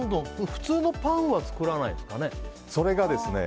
普通のパンは作らないんですかね。